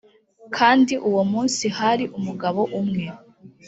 kandi uwo munsi hari umugabo umwe